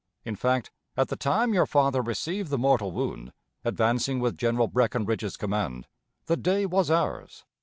In fact, at the time your father received the mortal wound, advancing with General Breckinridge's command, the day was ours.